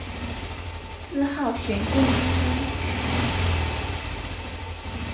自号玄静先生。